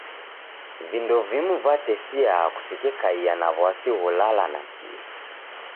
Vindo vimu vatesia kusekekaia na w'asi gholala nakio.